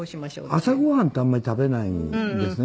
朝ご飯ってあんまり食べないんですね。